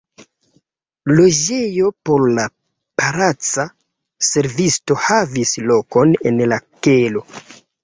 Loĝejo por la palaca servisto havis lokon en la kelo.